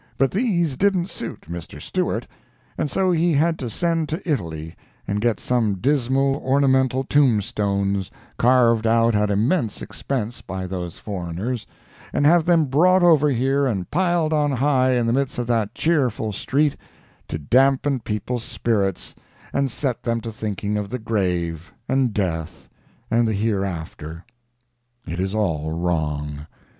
But these didn't suit Mr. Stewart, and so he had to send to Italy and get some dismal ornamental tombstones, carved out at immense expense by those foreigners, and have them brought over here and piled on high in the midst of that cheerful street, to dampen people's spirits, and set them to thinking of the grave, and death, and the hereafter. It is all wrong.